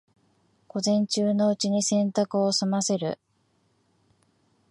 午前中のうちに洗濯を済ませる